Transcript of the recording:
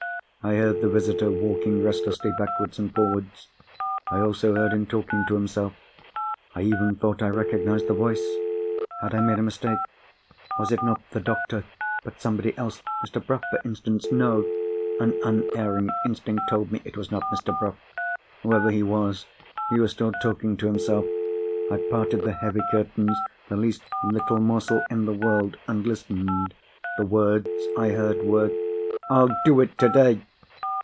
I heard the visitor walking restlessly backwards and forwards. I also heard him talking to himself. I even thought I recognised the voice. Had I made a mistake? Was it not the doctor, but somebody else? Mr. Bruff, for instance? No! an unerring instinct told me it was not Mr. Bruff. Whoever he was, he was still talking to himself. I parted the heavy curtains the least little morsel in the world, and listened. The words I heard were, "I'll do it today!"